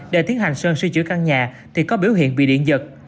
để tiến hành sơn sửa chữa căn nhà thì có biểu hiện bị điện giật